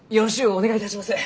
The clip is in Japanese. お願いいたします。